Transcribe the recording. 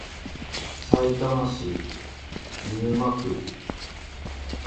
さいたま市見沼区